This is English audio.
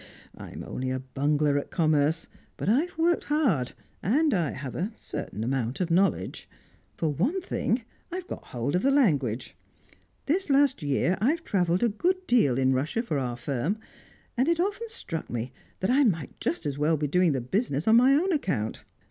I'm only a bungler at commerce, but I've worked hard, and I have a certain amount of knowledge. For one thing, I've got hold of the language; this last year I've travelled a good deal in Russia for our firm, and it often struck me that I might just as well be doing the business on my own account.